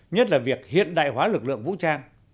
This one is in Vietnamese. nhất là việc hiện đại hóa lực lượng vũ trang